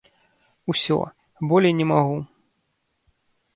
Усё, болей не магу.